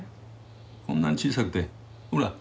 こんなに小さくてほら。